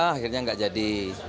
akhirnya gak jadi